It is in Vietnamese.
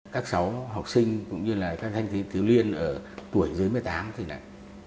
các sáu học sinh cũng như các thanh niên thiếu liên ở tuổi dưới một mươi tám thì này